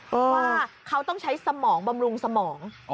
ว่าเขาต้องใช้สมองบำรุงสมอง